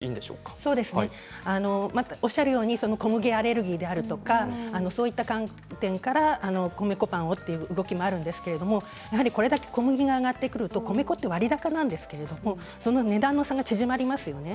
小麦ではなく米粉でっていうのは今も注目されていると小麦アレルギーであるとかそういった観点から米粉パンという動きもあるんですけれどもこれだけ小麦が上がってくると米粉は割高なんですけれどもその値段の差は縮まりますよね。